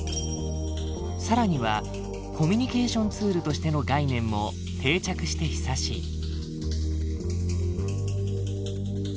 更にはコミュニケーションツールとしての概念も定着して久しい。